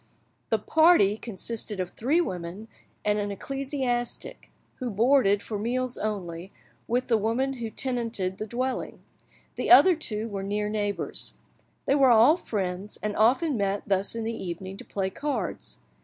The party consisted of three women and an ecclesiastic, who boarded, for meals only, with the woman who tenanted the dwelling; the other two were near neighbours. They were all friends, and often met thus in the evening to play cards.